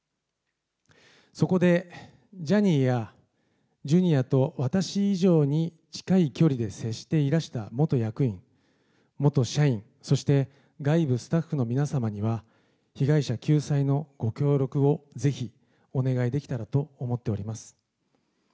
そこでジャニーやジュニアと私以上に近い距離で接していらした元役員、元社員、そして外部スタッフの皆様には、被害者救済のご協力をぜひお願いできたらと思っております。